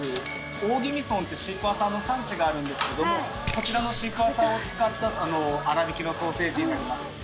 大宜味村ってシークワーサーの産地があるんですけどもこちらのシークワーサーを使った粗びきのソーセージです。